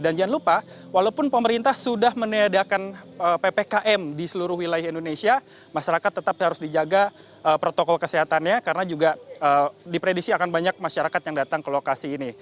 dan jangan lupa walaupun pemerintah sudah menyediakan ppkm di seluruh wilayah indonesia masyarakat tetap harus dijaga protokol kesehatannya karena juga diprediksi akan banyak masyarakat yang datang ke lokasi ini